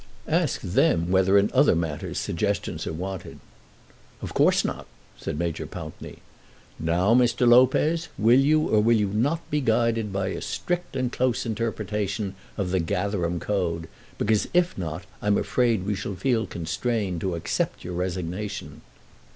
Ask them whether in other matters suggestions are wanted." "Of course not," said Major Pountney. "Now, Mr. Lopez, will you or will you not be guided by a strict and close interpretation of the Gatherum Code? Because, if not, I'm afraid we shall feel constrained to accept your resignation."